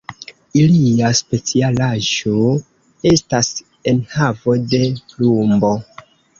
Ilia specialaĵo estas enhavo de plumbo.